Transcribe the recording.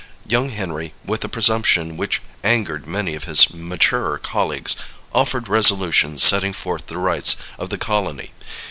Young Henry, with a presumption which angered many of his maturer colleagues, offered resolutions setting forth the rights of the colony.